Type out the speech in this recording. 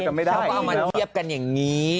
เขาก็เอามาเทียบกันอย่างนี้